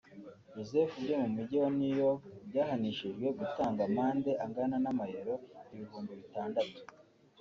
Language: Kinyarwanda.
Joseph byo mu Mujyi wa New York byahanishijwe gutanga amande angana n’Amayero ibihumbi bitandatu